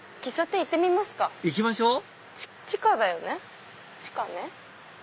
行きましょう地下だよね地下ね。